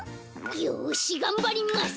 よしがんばります！